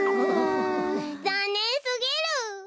ざんねんすぎる。